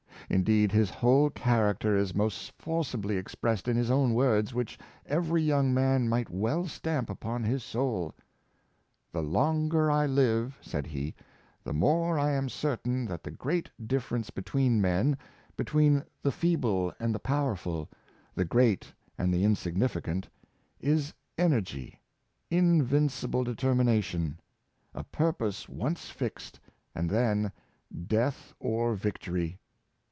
Indeed, his whole char acter is most forcibly expressed in his own words, which every young man might well stamp upon his soul: ''The longer I live, "said he, ^'the more I am certain that the great difference between men, between the feeble and the powerful, the great and the insignificant, is energy — invincible determination — a purpose once fixed, and then death or victory